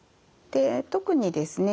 特にですね